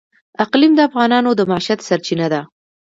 اقلیم د افغانانو د معیشت سرچینه ده.